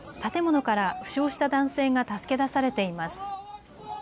建物から負傷した男性が助け出されています。